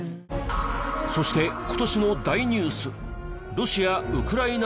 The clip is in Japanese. そして今年の大ニュース